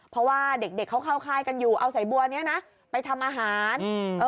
เพราะว่าเด็กเด็กเขาเข้าค่ายกันอยู่เอาใส่บัวนี้นะไปทำอาหาร